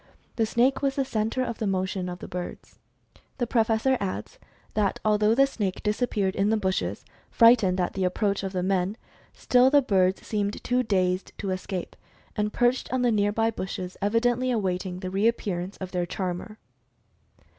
The snake was the center of the motion of the birds. The Professor adds that although the snake disappeared in the bushes, frightened at the approach of the men, still the birds seemed too dazed to escape, and perched on the near by bushes, evidently awaiting the reappearance of their "charmer."